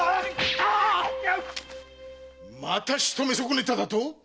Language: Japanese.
また仕留め損ねただと